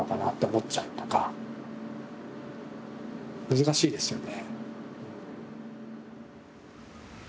難しいですよね。